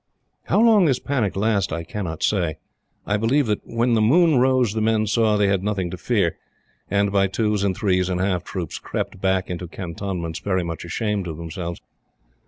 How long this panic lasted I cannot say. I believe that when the moon rose the men saw they had nothing to fear, and, by twos and threes and half troops, crept back into Cantonments very much ashamed of themselves.